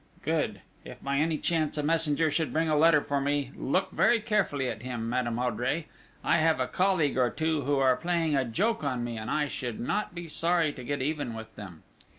"Good! If by any chance a messenger should bring a letter for me, look very carefully at him, Madame Oudry. I have a colleague or two who are playing a joke on me, and I should not be sorry to get even with them!"